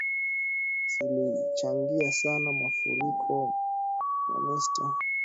zilichangia sana mafarakano Monasteri ya Khor Virap karne ya Saba ikiwa